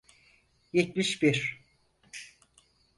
Yetmiş bir.